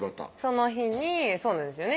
その日にそうなんですよね